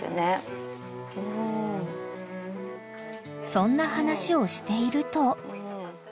［そんな話をしていると］